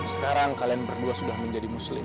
sekarang kalian berdua sudah menjadi muslim